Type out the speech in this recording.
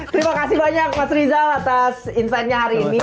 terima kasih banyak mas rizal atas insightnya hari ini